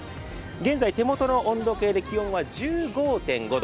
現在、手元の温度計で気温は１５．５度。